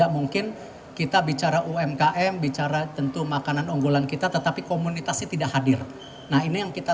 multiplier efek kepada para